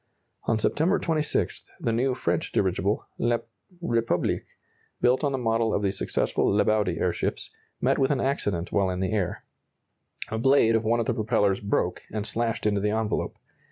On September 26, the new French dirigible, "La Republique," built on the model of the successful Lebaudy airships, met with an accident while in the air. A blade of one of the propellers broke and slashed into the envelope.